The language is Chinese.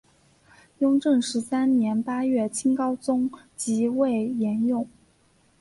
雍正十三年八月清高宗即位沿用。